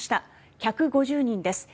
１５０人です。